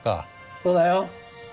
そうだよ。